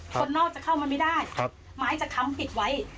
คนนอกจะเข้ามาไม่ได้ไม้จะค้ำปิดไว้